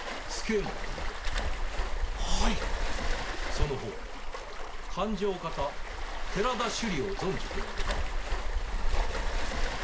その方勘定方寺田修理を存じておるか？